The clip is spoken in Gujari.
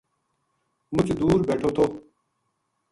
مچ دور بیٹھو تھو